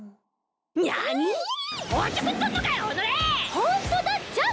ホントだっちゃ！